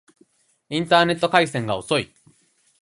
インターネット回線が遅い